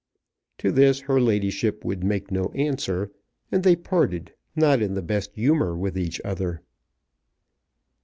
To this her ladyship would make no answer, and they parted, not in the best humour with each other.